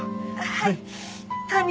はい。